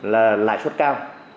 là lại suất cao